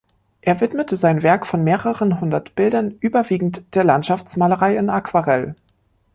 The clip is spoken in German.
Er widmete sein Werk von mehreren hundert Bildern überwiegend der Landschaftsmalerei in Aquarell.